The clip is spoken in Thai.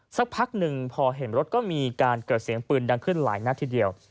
สักพักหนึ่งพอเห็นรถก็มีการเกิดเสียงปืนดังขึ้นหลายนัดทีเดียว